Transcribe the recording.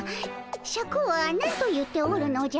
シャクは何と言っておるのじゃ？